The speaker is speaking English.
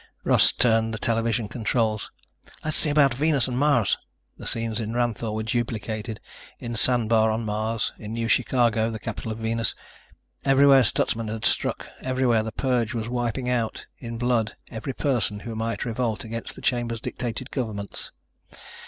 Russ turned the television controls. "Let's see about Venus and Mars." The scenes in Ranthoor were duplicated in Sandebar on Mars, in New Chicago, the capital of Venus. Everywhere Stutsman had struck ... everywhere the purge was wiping out in blood every person who might revolt against the Chambers dictated governments.